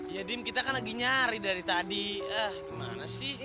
iya din kita kan lagi nyari dari tadi eh gimana sih